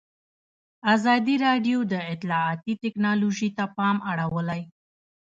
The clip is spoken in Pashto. ازادي راډیو د اطلاعاتی تکنالوژي ته پام اړولی.